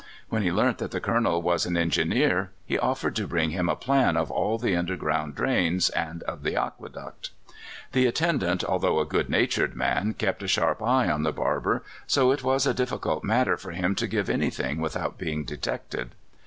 When he learnt that the Colonel was an engineer, he offered to bring him a plan of all the underground drains and of the aqueduct. The attendant, although a good natured man, kept a sharp eye on the barber; so it was a difficult matter for him to give anything without being detected.